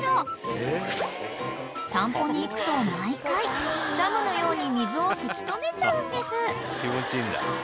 ［散歩に行くと毎回ダムのように水をせき止めちゃうんです］